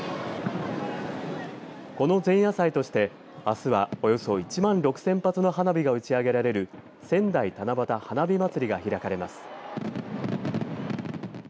この前夜祭としてあすはおよそ１万６０００発の花火が打ち上げられる仙台七夕花火祭が開かれます。